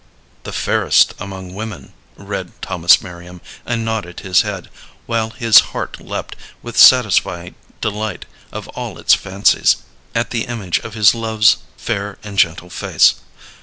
"The fairest among women," read Thomas Merriam, and nodded his head, while his heart leaped with the satisfied delight of all its fancies, at the image of his love's fair and gentle face.